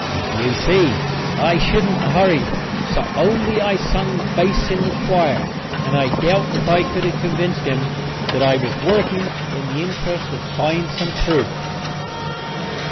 You see I shouldn't a hurried so only I sung bass in the choir and I doubt if I could have convinced him that I was working in the interests of Science and Truth.